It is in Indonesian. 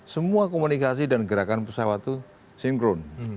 semua komunikasi dan gerakan pesawat itu sinkron